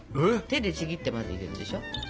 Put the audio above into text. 手でちぎってまず入れるでしょ。